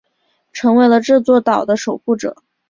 成为了这座岛的守护者。